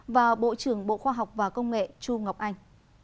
và bộ trưởng bộ khoa học và công nghệ chu ngọc anh